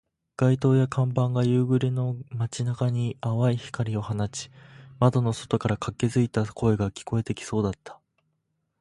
街灯や看板が夕暮れの街中に淡い光を放ち、窓の外から活気付いた声が聞こえてきそうだった